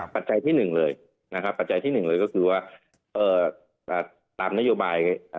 ปัจจัยที่๑เลยก็คือว่า